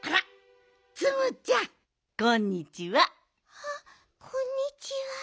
あこんにちは。